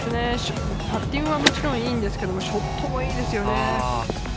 パッティングはもちろんいいのですが、ショットもいいですよね。